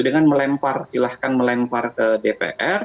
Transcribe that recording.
dengan melempar silahkan melempar ke dpr